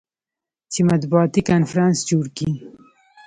چې مطبوعاتي کنفرانس جوړ کي.